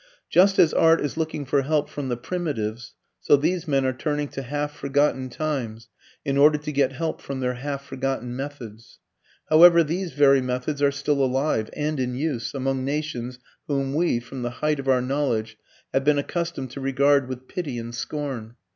Just as art is looking for help from the primitives, so these men are turning to half forgotten times in order to get help from their half forgotten methods. However, these very methods are still alive and in use among nations whom we, from the height of our knowledge, have been accustomed to regard with pity and scorn.